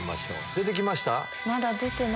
出てきました？